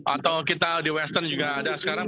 atau kita di western juga ada sekarang